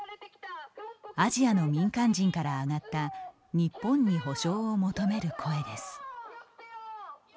アジアの民間人から上がった日本に補償を求める声です。